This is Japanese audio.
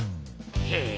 へえ。